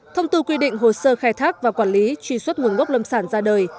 thông tư quy định hồ sơ khai thác và quản lý truy xuất nguồn gốc lâm sản ra đời